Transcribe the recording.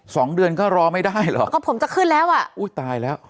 สองเดือนก็รอไม่ได้เหรอก็ผมจะขึ้นแล้วอ่ะอุ้ยตายแล้ว